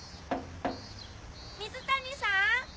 水谷さん！